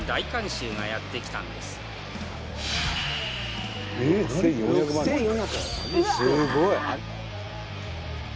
すごい！